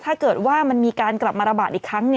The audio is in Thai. ถ้าเกิดว่ามันมีการกลับมาระบาดอีกครั้ง